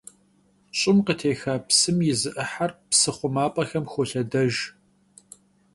Ş'ım khıtêxa psım yi zı 'ıher psı xhumap'exem xolhedejj.